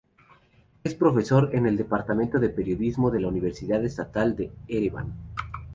Es profesor en el Departamento de Periodismo de la Universidad Estatal de Ereván.